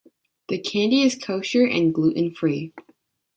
The candy is kosher and gluten-free.